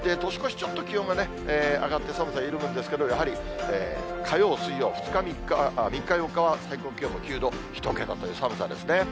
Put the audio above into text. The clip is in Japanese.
ちょっと気温がね、上がって、寒さ緩むんですけど、やはり、火曜、水曜、３日、４日は、最高気温も９度、１桁という寒さですね。